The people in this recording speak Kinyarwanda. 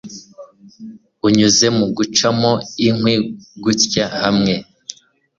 unyuze mu gucamo inkwi gutya hamwe